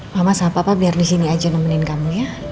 mama sama papa biar di sini aja nemenin kamu ya